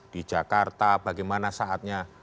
di jakarta bagaimana saatnya